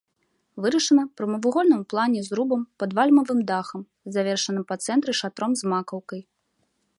Вырашана прамавугольным у плане зрубам пад вальмавым дахам, завершаным па цэнтры шатром з макаўкай.